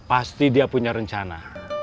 pasti dia punya rencana